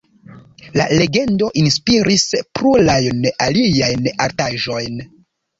La legendo inspiris plurajn aliajn artaĵojn.